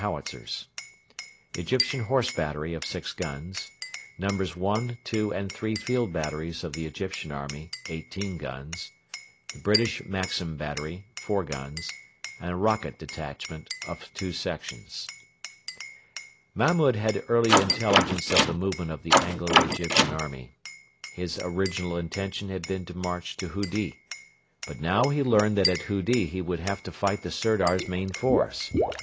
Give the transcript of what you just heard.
howitzers Egyptian Horse Battery (6 guns) Nos. 1, 2, and 3 Field Batteries Egyptian Army (18 guns) British Maxim Battery (4 guns) Rocket Detachment (2 sections) Mahmud had early intelligence of the movement of the Anglo Egyptian army. His original intention had been to march to Hudi. But he now learned that at Hudi he would have to fight the Sirdar's main force.